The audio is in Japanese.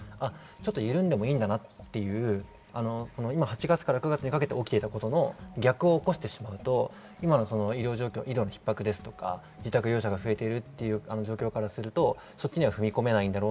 緩んでもいいんだなという８月から９月にかけて起きていたことの逆を起こしてしまうと、今の医療の逼迫、自宅療養者が増えている状況からすると踏み込めない。